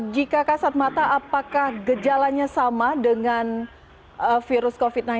jika kasat mata apakah gejalanya sama dengan virus covid sembilan belas